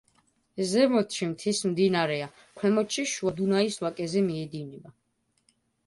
ზემოთში მთის მდინარეა, ქვემოთში შუა დუნაის ვაკეზე მიედინება.